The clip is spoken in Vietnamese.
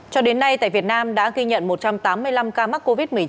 cho đến nay tại việt nam đã ghi nhận một trăm tám mươi năm ca mắc covid một mươi chín